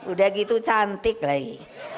udah gitu cantik lagi